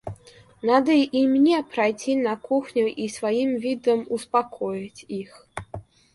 Надо и мне пройти на кухню и своим видом успокоить их.